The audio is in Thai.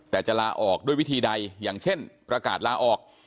แต่จะลาออกด้วยวิธีใดอย่างเช่นประกาศลาออก